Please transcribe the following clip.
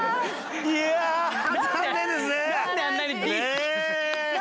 いや残念ですね。